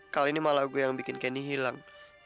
kali ini malah gue yang bikin candy hilang